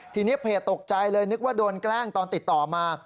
ทีนี้เพจตกใจเลยนึกว่าโดนแกล้งตอนติดต่อมา